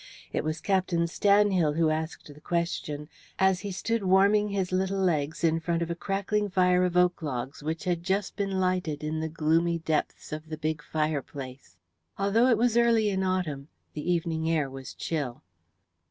It was Captain Stanhill who asked the question, as he stood warming his little legs in front of a crackling fire of oak logs which had just been lighted in the gloomy depths of the big fireplace. Although it was early in autumn, the evening air was chill.